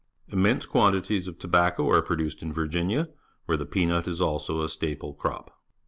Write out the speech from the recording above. Immense 'quantities of tobacco are produced in YiLginig,, where the^eanutjis also a staple crop.